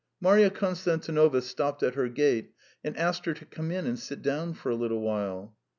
... Marya Konstantinovna stopped at her gate and asked her to come in and sit down for a little while.